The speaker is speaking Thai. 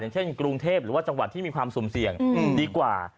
เช่นกรุงเทพหรือว่าจังหวัดที่มีความสุ่มเสี่ยงดีกว่า